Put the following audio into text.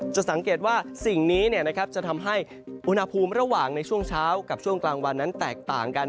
จะสังเกตว่าสิ่งนี้จะทำให้อุณหภูมิระหว่างในช่วงเช้ากับช่วงกลางวันนั้นแตกต่างกัน